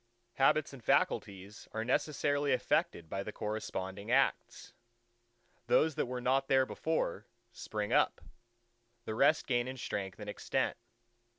Habits and faculties are necessarily affected by the corresponding acts. Those that were not there before, spring up: the rest gain in strength and extent.